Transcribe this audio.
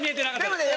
でもね